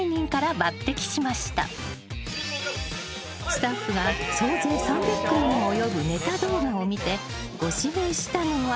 ［スタッフが総勢３００組に及ぶネタ動画を見てご指名したのは］